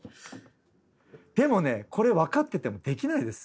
でもねこれ分かっててもできないです